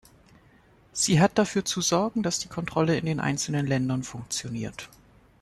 Sie hat dafür zu sorgen, dass die Kontrolle in den einzelnen Ländern funktioniert.